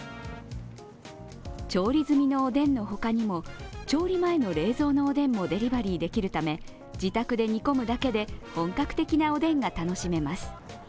調理済みのおでんのほかにも、調理前の冷蔵のおでんもデリバリーできるため自宅で煮込むだけで、本格的なおでんが楽しめます。